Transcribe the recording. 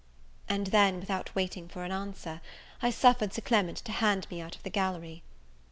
And then, without waiting for an answer, I suffered Sir Clement to hand me out of the gallery.